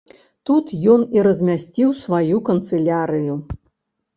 Тут ён і размясціў сваю канцылярыю.